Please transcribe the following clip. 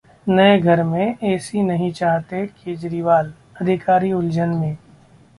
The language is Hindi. नए घर में एसी नहीं चाहते केजरीवाल, अधिकारी उलझन में